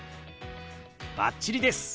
バッチリです！